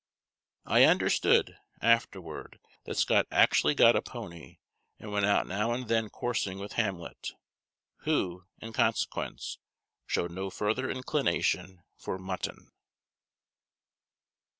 I understood, afterward, that Scott actually got a pony, and went out now and then coursing with Hamlet, who, in consequence, showed no further inclination for mutton.